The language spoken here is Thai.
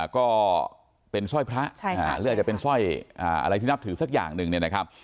ก็เป็นสร้อยพระหรืออาจจะเป็นสร้อยอะไรที่นับถือสักอย่างหนึ่งเนี่ยนะครับ